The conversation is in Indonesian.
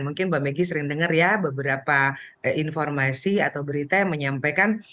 mungkin mbak meggy sering dengar ya beberapa informasi atau berita yang menyampaikan